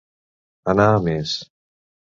Anar a més.